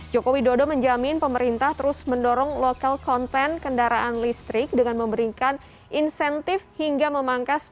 joko widodo menjamin pemerintah terus mendorong local konten kendaraan listrik dengan memberikan insentif hingga memangkas